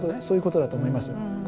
そういうことだと思います。